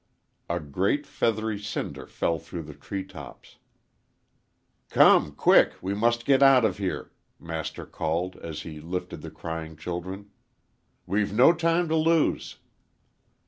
A great, feathery cinder fell through the tree tops. "Come quick, we must get out of here," Master called, as he lifted the crying children. "We've no time to lose."